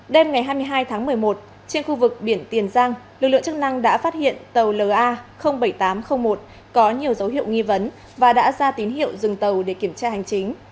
đêm ngày hai mươi hai tháng một mươi một trên khu vực biển tiền giang lực lượng chức năng đã phát hiện tàu la bảy nghìn tám trăm linh một có nhiều dấu hiệu nghi vấn và đã ra tín hiệu dừng tàu để kiểm tra hành chính